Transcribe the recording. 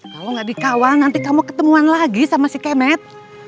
kalau nggak dikawal nanti kamu ketemuan lagi sama si kemet